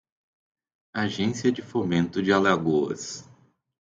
Agência de Fomento de Alagoas